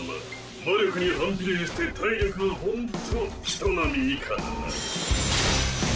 魔力に反比例して体力はほんと人並み以下だな。